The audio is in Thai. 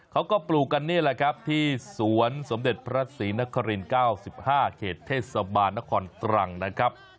ปลูกกันนี่แหละครับที่สวนสมเด็จพระศรีนคริน๙๕เขตเทศบาลนครตรังนะครับ